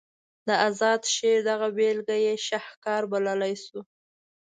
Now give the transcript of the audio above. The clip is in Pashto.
د اذاد شعر دغه بیلګه یې شهکار بللی شو.